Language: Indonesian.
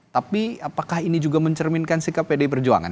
tapi apakah ini juga mencerminkan sikap pdi perjuangan